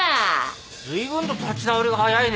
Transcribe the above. ずいぶんと立ち直りが早いね。